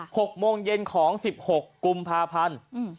หกโมงเย็นของสิบหกกุมภาพันธ์อืม